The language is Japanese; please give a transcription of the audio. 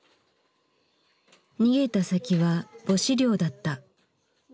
逃げた先は母子寮だった。